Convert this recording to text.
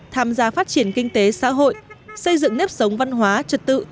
tham gia phát triển kinh tế xã hội xây dựng nếp sống văn hóa trật tự